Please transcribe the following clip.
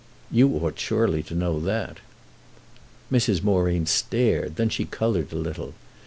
"You ought surely to know that." Mrs. Moreen stared, then she coloured a little.